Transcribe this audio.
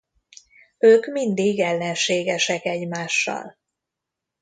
Ők mindig ellenségesek egymással.